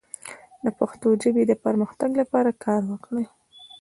د پښتو ژبې د پرمختګ لپاره کار وکړئ.